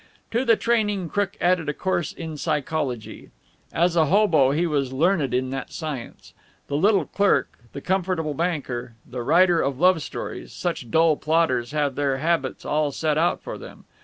To the training Crook added a course in psychology. As a hobo he was learned in that science. The little clerk, the comfortable banker, the writer of love stories such dull plodders have their habits all set out for them.